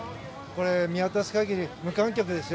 見渡す限り無観客ですよ。